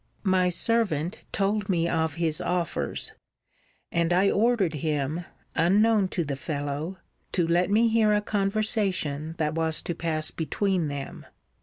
'My servant told me of his offers, and I ordered him, unknown to the fellow, to let me hear a conversation that was to pass between them.